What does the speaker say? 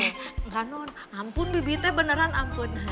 engga non ampun bibi teh beneran ampun